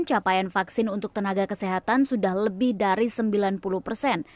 capaian vaksin untuk tenaga kesehatan sudah lebih dari sembilan puluh persen